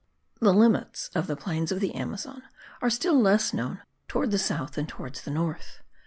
The limits of the plains of the Amazon are still less known towards the south than towards the north.